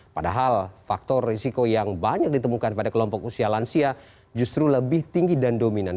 padahal faktor risiko yang banyak ditemukan pada kelompok usia lansia justru lebih tinggi dan dominan